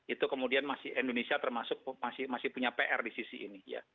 itu kemudian masih indonesia termasuk masih punya pr di sisi ini